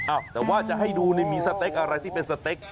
อ้าวแต่ว่าจะให้ดูนี่มีสเต็กอะไรที่เป็นสเต็ก